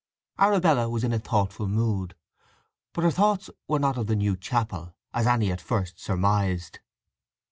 Arabella was in a thoughtful mood; but her thoughts were not of the new chapel, as Anny at first surmised.